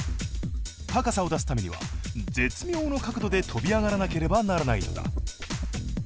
高さを出すためには絶妙の角度で跳び上がらければならないのだ。